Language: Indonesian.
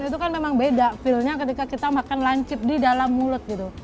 itu kan memang beda feelnya ketika kita makan lancip di dalam mulut gitu